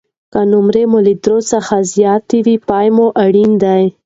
که نمرې له درې څخه زیاتې وي، پام مو اړین دی.